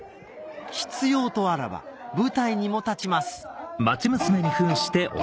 必要とあらば舞台にも立ちます